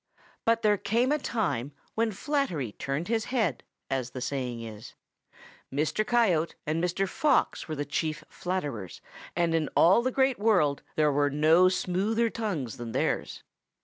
"But there came a time when flattery turned his head, as the saying is. Mr. Coyote and Mr. Fox were the chief flatterers, and in all the Great World there were no smoother tongues than theirs.